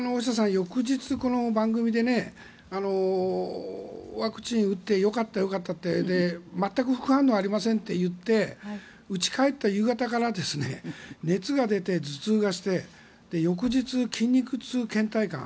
翌日、この番組でワクチン打ってよかったよかったと言って全く副反応ありませんと言ってうちに帰って夕方から熱が出て、頭痛がして翌日、筋肉痛、けん怠感。